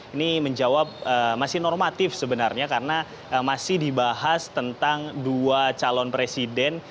ini menjawab masih normatif sebenarnya karena masih dibahas tentang dua calon presiden